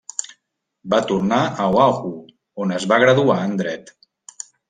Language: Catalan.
Va tornar a Oahu, on es va graduar en dret.